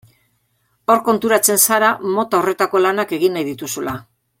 Hor konturatzen zara mota horretako lanak egin nahi dituzula.